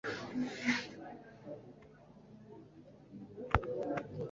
Gutwara imodoka utitonze birashobora gukurura impanuka byoroshye.